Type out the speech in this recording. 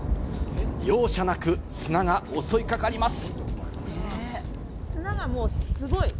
容赦なく砂が襲いかかります。